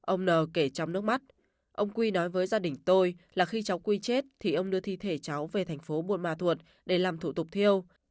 ông n kể trong nước mắt ông quy nói với gia đình tôi là khi cháu quy chết thì ông đưa thi thể cháu về thành phố buôn ma thuột để làm thủ tục thiêu